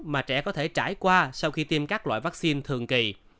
mà trẻ có thể trải qua sau khi tiêm các loại vaccine thường kỳ